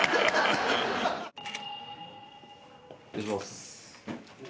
失礼します。